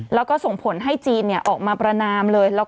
แล้วก็ส่งผลให้จีนออกมาประนามเลย